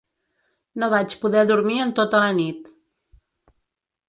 No vaig poder dormir en tota la nit.